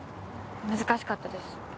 難しかったです。